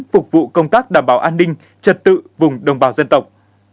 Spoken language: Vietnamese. phục vụ công tác đảm bảo an ninh trật tự vùng đồng bào dân tộc